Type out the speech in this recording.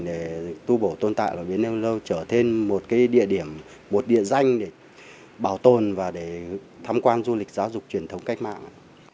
để tu bổ tôn tạo bến âu lâu trở thành một địa danh để bảo tồn và tham quan du lịch giáo dục truyền thống cách mạng